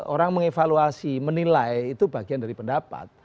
orang mengevaluasi menilai itu bagian dari pendapat